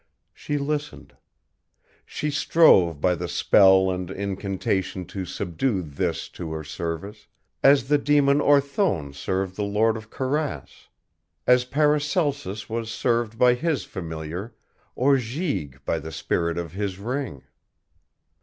She listened. She strove by the spell and incantation to subdue This to her service, as the demon Orthone served the Lord of Corasse, as Paracelsus was served by his Familiar, or Gyges by the spirit of his ring.